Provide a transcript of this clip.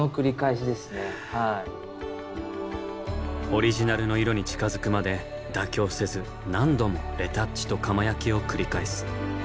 オリジナルの色に近づくまで妥協せず何度もレタッチと窯焼きを繰り返す。